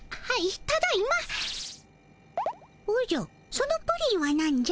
そのプリンはなんじゃ？